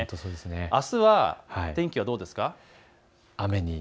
あすは天気はどうでしょうか。